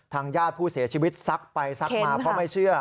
ญาติผู้เสียชีวิตซักไปซักมาเพราะไม่เชื่อ